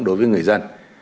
đối với người dân